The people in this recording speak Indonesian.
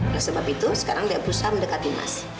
oleh sebab itu sekarang dia berusaha mendekati mas